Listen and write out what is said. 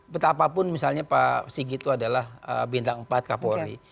betapapun misalnya pak sigit itu adalah bintang empat kapolri